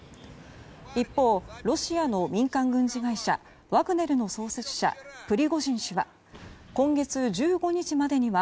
一方、ロシアの民間軍事会社ワグネルの創設者プリゴジン氏は今月１５日までには